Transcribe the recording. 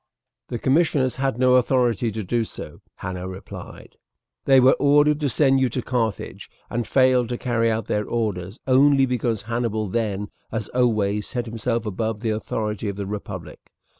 "The commissioners had no authority to do so," Hanno replied; "they were ordered to send you to Carthage, and failed to carry out their orders only because Hannibal then, as always, set himself above the authority of the republic.